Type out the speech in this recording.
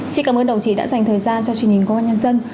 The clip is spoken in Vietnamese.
xin cảm ơn đồng chí đã dành thời gian cho truyền hình công an nhân dân